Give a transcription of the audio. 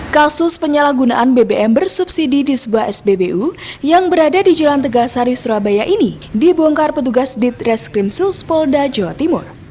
kasus penyalahgunaan bbm bersubsidi di sebuah spbu yang berada di jalan tegasari surabaya ini dibongkar petugas ditreskrim suspolda jawa timur